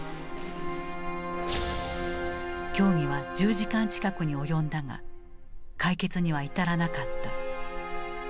協議は１０時間近くに及んだが解決には至らなかった。